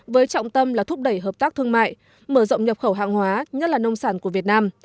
với trọng tâm là thúc đẩy hợp tác thương mại mở rộng nhập khẩu hàng hóa nhất là nông sản của việt nam